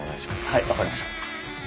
はいわかりました。